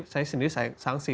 saya sendiri sangsi